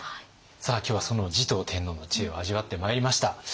さあ今日はその持統天皇の知恵を味わってまいりました。